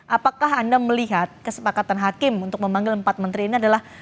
apakah anda melihat kesepakatan hakim untuk memanggil empat menteri ini adalah